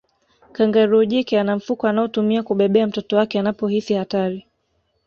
Kangaroo jike ana mfuko anaotumia kubebea mtoto wake anapohisi hatari